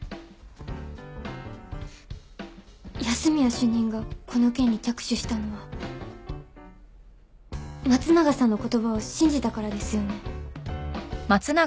安洛主任がこの件に着手したのは松永さんの言葉を信じたからですよね？